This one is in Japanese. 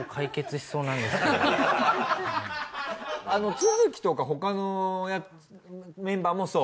都築とか他のメンバーもそう？